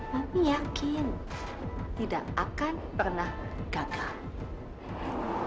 kami yakin tidak akan pernah gagal